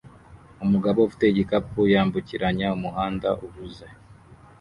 Umugabo ufite igikapu yambukiranya umuhanda uhuze